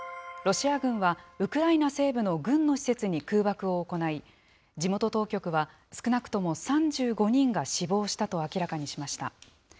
ロシア軍はウクライナ西部の軍の施設に空爆を行い、地元当局は、少なくとも３５人が死亡したと明らかにしました。